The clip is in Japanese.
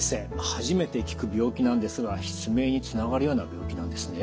初めて聞く病気なんですが失明につながるような病気なんですね？